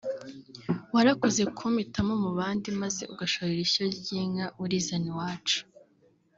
warakoze kumpitamo mu bandi maze ugashorera ishyo ry’inka urizana iwacu